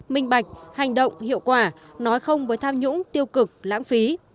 minh bạch hành động hiệu quả nói không với tham nhũng tiêu cực lãng phí